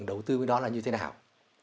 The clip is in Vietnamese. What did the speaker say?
đầu tư với đó là như thế nào